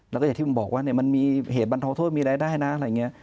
แล้วก็อย่างที่ผมบอกว่ามันมีเหตุบรรเทาโทษมีรายได้นะอะไรอย่างนี้